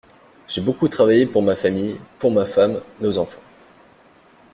J’ai beaucoup travaillé pour ma famille, pour ma femme, nos enfants.